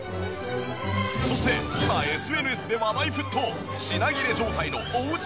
そして今ＳＮＳで話題沸騰品切れ状態のおうち